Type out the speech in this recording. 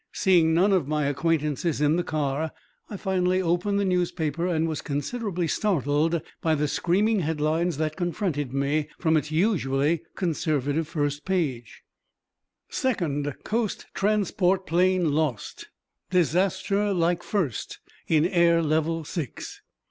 Seeing none of my acquaintances in the car, I finally opened the newspaper and was considerably startled by the screaming headlines that confronted me from its usually conservative first page: SECOND COAST TRANSPORT PLANE LOST! Disaster Like First in Air Level Six!